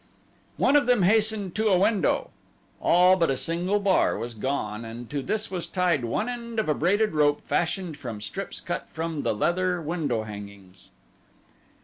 One of them hastened to a window. All but a single bar was gone and to this was tied one end of a braided rope fashioned from strips cut from the leather window hangings.